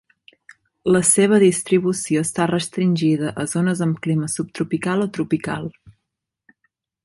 La seva distribució està restringida a zones amb clima subtropical o tropical.